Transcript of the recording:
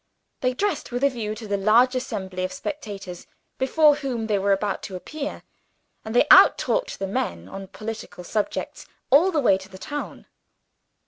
They dressed with a view to the large assembly of spectators before whom they were about to appear; and they outtalked the men on political subjects, all the way to the town.